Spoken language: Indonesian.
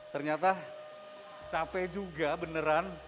ternyata cape juga beneran